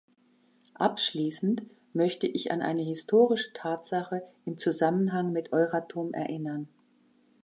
Abschließend möchte ich an eine historische Tatsache im Zusammenhang mit Euratom erinnern.